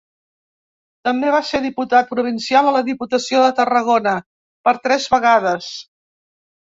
També va ser diputat provincial a la Diputació de Tarragona per tres vegades.